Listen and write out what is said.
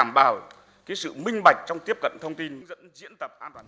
đảm bảo cái sự minh bạch trong tiếp cận thông tin diễn tập an toàn